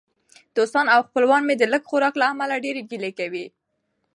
دوستان او خپلوان مې د لږ خوراک له امله ډېرې ګیلې کوي.